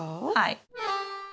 はい。